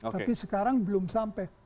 tapi sekarang belum sampai